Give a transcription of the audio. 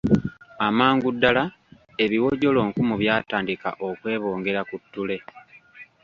Amangu ddala, ebiwojjolo nkumu byatandika okwebongera ku ttule.